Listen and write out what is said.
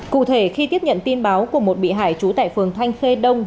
cụ thể khi tiếp nhận tin báo của một bị hải chú tại phường thanh khê đông